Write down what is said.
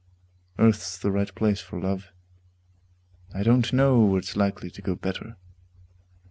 Earth's the right place for love: I don't know where it's likely to go better.